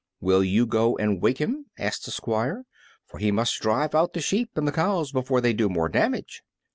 "Will you go and wake him?" asked the Squire; "for he must drive out the sheep and the cows before they do more damage."